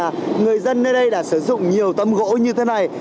và người dân nơi đây đã sử dụng nhiều tấm gỗ như thế này